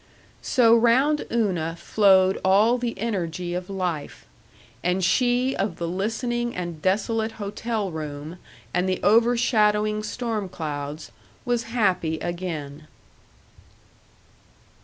So round Una flowed all the energy of life; and she of the listening and desolate hotel room and the overshadowing storm clouds was happy again.